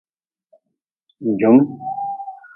Jum.